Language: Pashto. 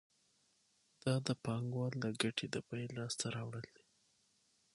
دا د پانګوال د ګټې د بیې لاس ته راوړل دي